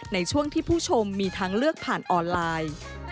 ในช่วงที่ผู้ชมมีทางเลือกผ่านออนไลน์